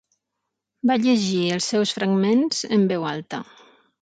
Va llegir els seus fragments en veu alta.